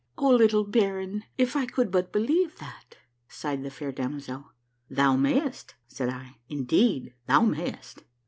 " Oh, little baron, if I could but believe that !" sighed the fair damozel. " Thou mayst," said I, " indeed thou mayst."